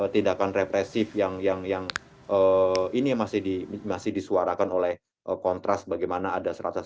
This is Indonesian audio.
tidakan represif yang ini masih disuarakan oleh kontras bagaimana ada satu ratus delapan puluh tiga kasus